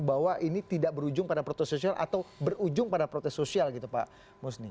bahwa ini tidak berujung pada protes sosial atau berujung pada protes sosial gitu pak musni